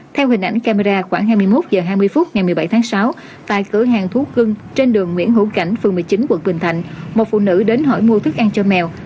theo hình ảnh camera khoảng hai mươi một h hai mươi phút ngày một mươi bảy tháng sáu tại cửa hàng thú cưng trên đường nguyễn hữu cảnh phường một mươi chín quận bình thạnh một phụ nữ đến hỏi mua thức ăn cho mèo